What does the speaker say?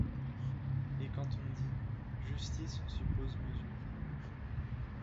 Et quand on dit : justice, on suppose mesure.